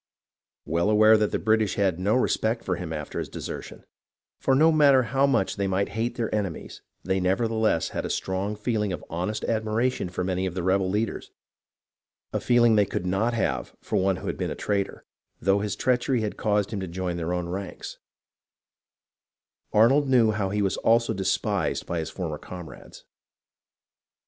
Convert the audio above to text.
Well aware that the British had no respect for him after his desertion — for no matter how much they might hate their enemies they nevertheless had a strong feeling of honest admiration for many of the " rebel " leaders, a feel ing they could not have for one who had been a traitor, though his treachery had caused him to join their own ranks — Arnold knew how he was also despised by his former comrades.